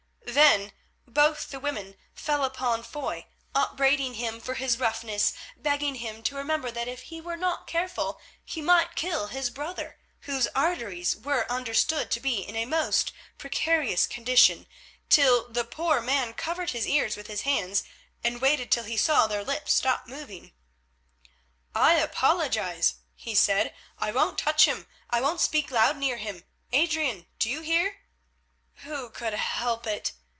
Then both the women fell upon Foy, upbraiding him for his roughness, begging him to remember that if he were not careful he might kill his brother, whose arteries were understood to be in a most precarious condition, till the poor man covered his ears with his hands and waited till he saw their lips stop moving. "I apologise," he said. "I won't touch him, I won't speak loud near him. Adrian, do you hear?" "Who could help it?"